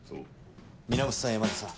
源さん山田さん。